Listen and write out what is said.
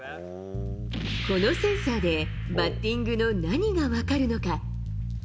このセンサーで、バッティングの何が分かるのか。